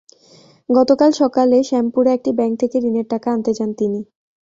গতকাল সকালে শ্যামপুরে একটি ব্যাংক থেকে ঋণের টাকা আনতে যান তিনি।